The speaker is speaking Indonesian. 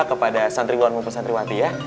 kepada santriwan maupun santriwati ya